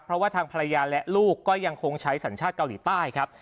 เพราะว่าทางภรรยาและลูกก็ยังคงใช้สัญชาติเกาหลีใต้ครับ